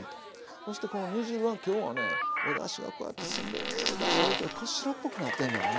そしてこの煮汁は今日はねおだしがこうやって澄んでるええだし出てこう白っぽくなってんのかな。